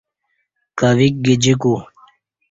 کویک گجیکو